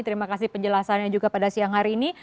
terima kasih penjelasannya juga pada siang hari ini